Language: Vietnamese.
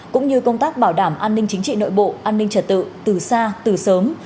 cũng như công tác bảo đảm an ninh chính trị nội bộ an ninh trật tự từ xa từ sớm